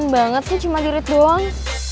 ngesel banget sih cuma dirit doang